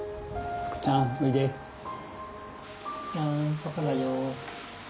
ふくちゃんパパだよ。